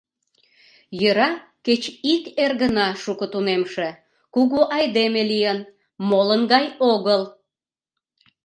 — Йӧра, кеч ик эргына шуко тунемше, кугу айдеме лийын, молын гай огыл.